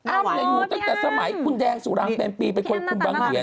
อ้าวนี่อยู่ตั้งแต่สมัยคุณแดงสุรังเป็นปีเป็นคนคุณบางเหวียน